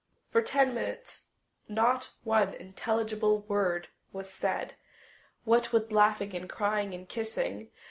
For ten minutes not one intelligible word was said, what with laughing and crying and kissing.